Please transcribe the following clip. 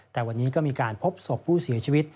แต่วันนี้ก็มีการพบศพผู้เสียชีวิต